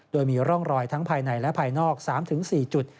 โดยมีร่องรอยทั้งภายในและภายนอก๓๔จุด